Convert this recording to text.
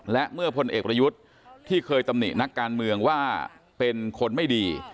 และเมื่อพลเอกประยุทธ์ที่เคยตำหนินักการเมืองว่าเป็นคนไม่ดี